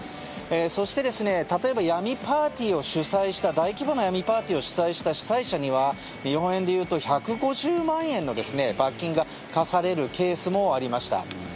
そして例えば大規模な闇パーティーを主催した主催者には、日本円でいうと１５０万円の罰金が科されるケースもありました。